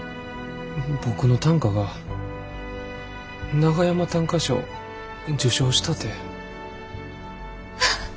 僕の短歌が長山短歌賞受賞したて。